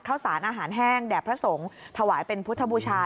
ข้าวสารอาหารแห้งแด่พระสงฆ์ถวายเป็นพุทธบูชา